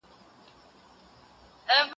زه به ښوونځی ته تللی وي.